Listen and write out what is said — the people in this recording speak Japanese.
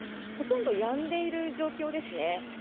ほとんどやんでいる状況ですね。